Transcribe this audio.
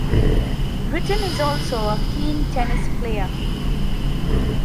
Witten is also a keen tennis player.